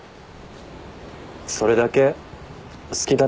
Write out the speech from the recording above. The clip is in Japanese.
それだけ好きだったのかもね。